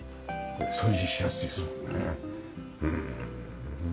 掃除しやすいですもんね。